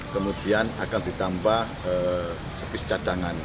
kemudian akan ditambah speech cadangan